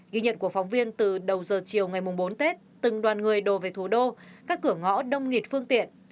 ghi nhận của phóng viên từ đầu giờ chiều ngày bốn tết từng đoàn người đổ về thủ đô các cửa ngõ đông nghịt phương tiện